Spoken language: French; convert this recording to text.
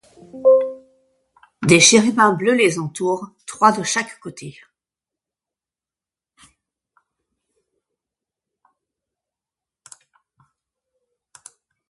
Des chérubins bleus les entourent, trois de chaque côté.